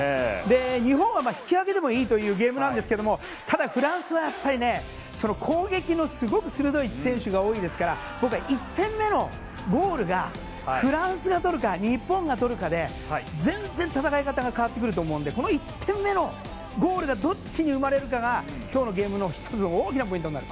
日本は引き分けでもいいというゲームですがただ、フランスはやっぱり攻撃のすごく鋭い選手が多いですから僕は１点目のゴールがフランスが取るか日本が取るかで全然戦い方が変わってくると思うのでこの１点目のゴールがどっちに生まれるかが今日のゲームの１つの大きなポイントになる。